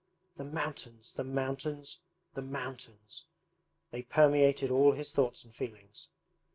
'The mountains, the mountains, the mountains!' they permeated all his thoughts and feelings.